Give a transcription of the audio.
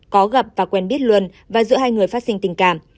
có gặp và quen biết luân và giữa hai người phát sinh tình cảm